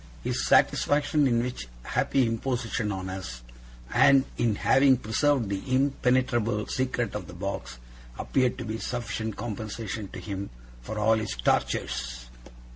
His satisfaction in which happy imposition on us, and in having preserved the impenetrable secret of the box, appeared to be a sufficient compensation to him for all his tortures.